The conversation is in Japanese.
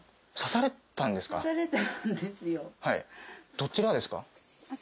どちらですか？